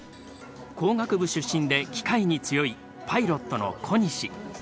出身で機械に強いパイロットの小西。